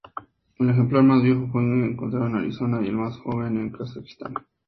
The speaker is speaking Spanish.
El ejemplar más viejo fue encontrado en Arizona y el más joven en Kazajistán.